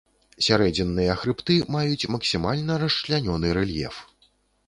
Сярэдзінныя хрыбты маюць максімальна расчлянёны рэльеф.